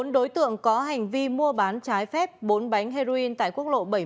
bốn đối tượng có hành vi mua bán trái phép bốn bánh heroin tại quốc lộ bảy mươi